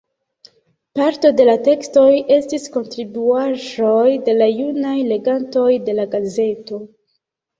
Parto de la tekstoj estis kontribuaĵoj de la junaj legantoj de la gazeto.